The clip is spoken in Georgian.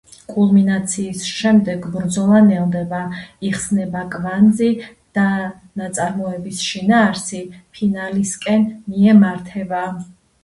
კულმინაციის შემდეგ ბრძოლა ნელდება, იხსნება კვანძი და ნაწარმოების შინაარსი ფინალისკენ მიემართება.